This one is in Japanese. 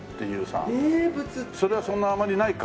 それはそんなあんまりないか。